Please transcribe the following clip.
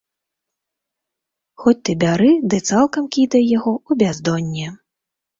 Хоць ты бяры ды цалкам кідай яго ў бяздонне.